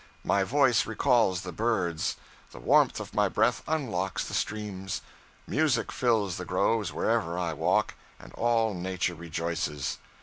My voice recalls the birds. The warmth of my breath unlocks the streams. Music fills the groves wherever I walk, and all nature rejoices.'